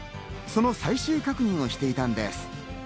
その最終確認をしていたのです。